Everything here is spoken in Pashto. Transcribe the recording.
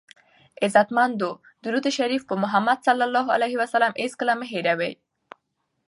عزتمندو درود شریف په محمد ص هېڅکله مه هیروئ!